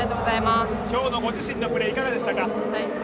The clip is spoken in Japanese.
今日のご自身のプレーいかがでしたか？